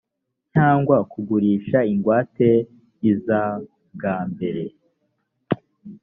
cyangwa kugurisha ingwate iza bwa mbere